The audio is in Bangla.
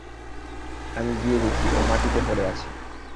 আমি গিয়ে দেখি ও মাটিতে পড়ে আছে।